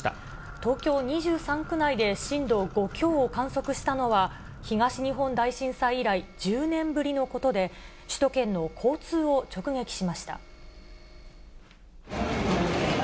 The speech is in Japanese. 東京２３区内で震度５強を観測したのは、東日本大震災以来１０年ぶりのことで、首都圏の交通を直撃しました。